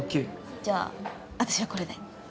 じゃあ私はこれで。